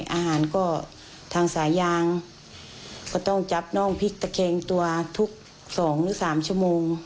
อาหารก็ทางสายางก็ต้องจับน้องพริกตะแคงตัวทุก๒หรือ๓ชั่วโมง